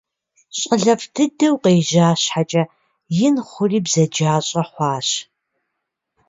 Щӏалэфӏ дыдэу къежьа щхьэкӏэ, ин хъури бзаджащӏэ хъуащ.